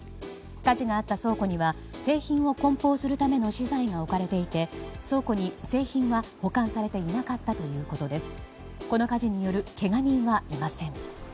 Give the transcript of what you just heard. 火事があった倉庫には製品を梱包するための資材が置かれていて倉庫に製品は保管されていなかったということです。